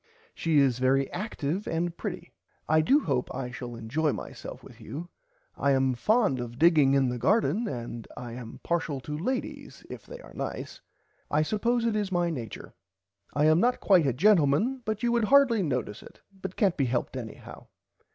She is very active and pretty. I do hope I shall enjoy myself with you. I am fond of digging in the garden and I am parshial to ladies if [Pg 26] they are nice I suppose it is my nature. I am not quite a gentleman but you would hardly notice it but cant be helped anyhow.